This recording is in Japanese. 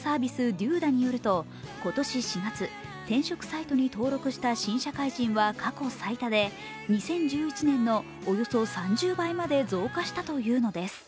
ｄｏｄａによると今年４月、転職サイトに登録した新社会人は過去最多で２０１１年のおよそ３０倍まで増加したというのです。